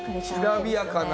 きらびやかな。